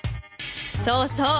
そうそう。